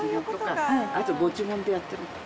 あとご注文でやってる。